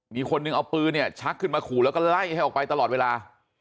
มีคนนึงเอาปืนเนี่ยชักขึ้นมาขู่แล้วก็ไล่ให้ออกไปตลอดเวลา